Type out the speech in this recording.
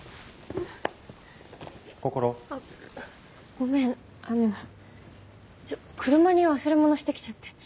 ごめんあの車に忘れ物してきちゃって。